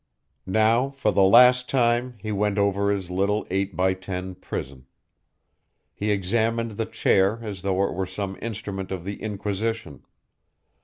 Now for the last time he went over his little eight by ten prison. He examined the chair as though it were some instrument of the Inquisition.